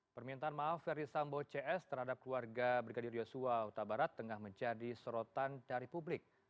permintaan maaf ferdisambo cs terhadap keluarga brigadir yosua utabarat tengah menjadi sorotan dari publik